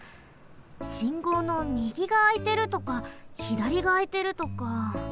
信号のみぎがあいてるとかひだりがあいてるとか。